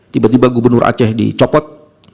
tiba tiba gubernur aceh dicopot